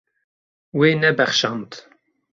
Wê nebexşand.